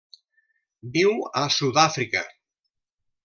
Viu a Sud-àfrica.